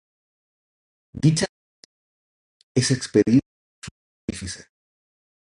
Dicha normatividad es expedida por el Sumo Pontífice.